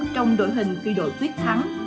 trong đội hình phi đội thuyết thắng